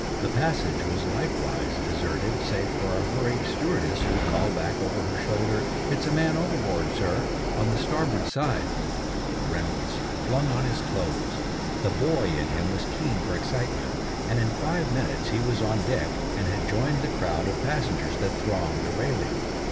The passage was likewise deserted save for a hurried stewardess, who called back, over her shoulder, "It's a man overboard, sir, on the starboard side " Reynolds flung on his clothes. The boy in him was keen for excitement, and in five minutes he was on deck, and had joined the crowd of passengers that thronged the railing.